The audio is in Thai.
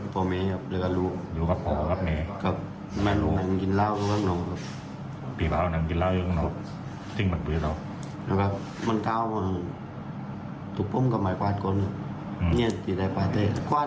พูดครับต้องมาช่วยเขาเวียงให้อย่างนั้นก่อนแต่เขาก็ต้องสมบัติ